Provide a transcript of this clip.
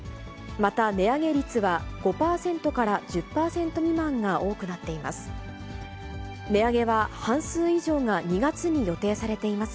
また、値上げ率は５％から１０％未満が多くなっています。